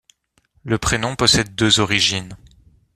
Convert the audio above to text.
Le prénom possède deux origines.